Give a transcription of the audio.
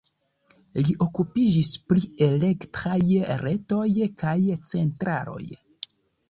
Li okupiĝis pri elektraj retoj kaj centraloj.